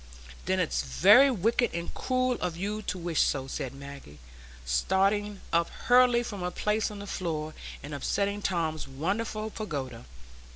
"Then it's very wicked and cruel of you to wish so," said Maggie, starting up hurriedly from her place on the floor, and upsetting Tom's wonderful pagoda.